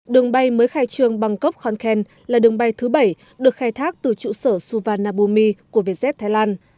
đường bay mới khai trương bangkok con là đường bay thứ bảy được khai thác từ trụ sở suvarnabhumi của vietjet thái lan